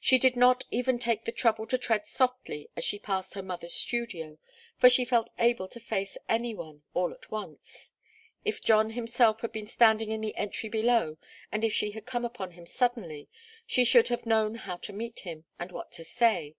She did not even take the trouble to tread softly as she passed her mother's studio, for she felt able to face any one, all at once. If John himself had been standing in the entry below, and if she had come upon him suddenly, she should have known how to meet him, and what to say.